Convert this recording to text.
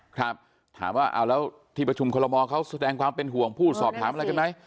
ครับถามว่าเอาแล้วที่ประชุมคอลโมเขาแสดงความเป็นห่วงพูดสอบถามอะไรกันไหม